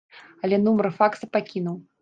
Але нумар факса пакінуў.